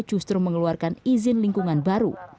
justru mengeluarkan izin lingkungan baru